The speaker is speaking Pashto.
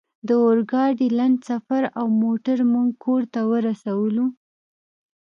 د اورګاډي لنډ سفر او موټر موږ کور ته ورسولو